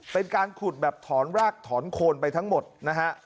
เป็นการขุดแบบถอนรากถอนโคนไปทั้งหมดนะฮะ